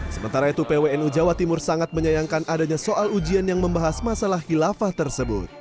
sementara itu pwnu jawa timur sangat menyayangkan adanya soal ujian yang membahas masalah khilafah tersebut